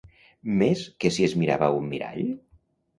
Més que si es mirava a un mirall?